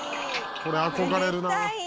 これ憧れるな。